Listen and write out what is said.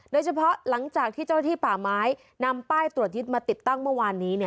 หลังจากที่เจ้าหน้าที่ป่าไม้นำป้ายตรวจยึดมาติดตั้งเมื่อวานนี้